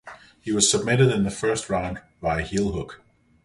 He was submitted in the first round via heel hook.